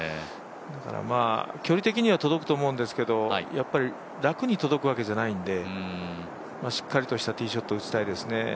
だから、距離的には届くと思うんですけど楽に届くわけじゃないのでしっかりとしたティーショットを打ちたいですよね。